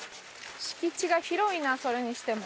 敷地が広いなそれにしても。